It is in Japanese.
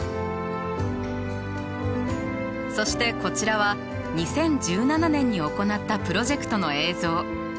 そしてこちらは２０１７年に行ったプロジェクトの映像。